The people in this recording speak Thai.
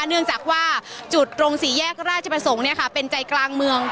เนื่องจากว่าจุดตรงสี่แยกราชประสงค์เป็นใจกลางเมือง